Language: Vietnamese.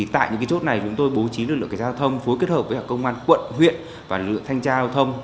tại những chốt này chúng tôi bố trí lực lượng giao thông phối kết hợp với công an quận huyện và lực lượng thanh tra giao thông